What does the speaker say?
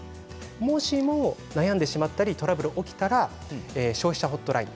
もしも悩んでしまったりトラブルが起きたら消費者ホットライン